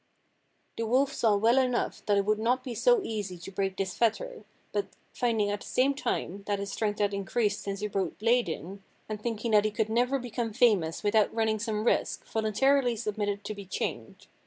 "The wolf saw well enough that it would not be so easy to break this fetter, but finding at the same time that his strength had increased since he broke Læding, and thinking that he could never become famous without running some risk, voluntarily submitted to be chained.